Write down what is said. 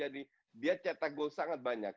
dia cetak gol sangat banyak